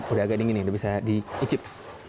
udah agak dingin nih udah bisa diicip